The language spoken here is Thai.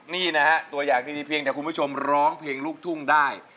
นี่นะฮะตัวอย่างดีเพียงแต่คุณผู้ชมร้องเพลงลูกทุ่งได้